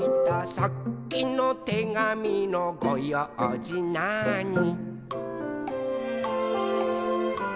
「さっきのてがみのごようじなーに」